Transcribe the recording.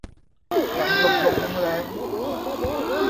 หวังลมลมแล้งแล้ง